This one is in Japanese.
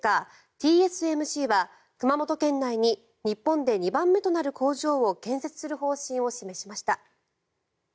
ＴＳＭＣは熊本県内に日本で２番目となる工場を建設する方針を示しました。